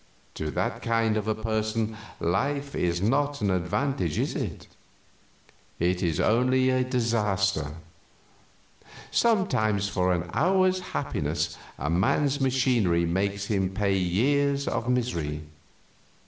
To that kind of a person life is not an advantage, is it? It is only a disaster. Sometimes for an hour's happiness a man's machinery makes him pay years of misery.